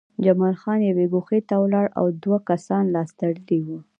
جمال خان یوې ګوښې ته ولاړ و او دوه کسان لاس تړلي وو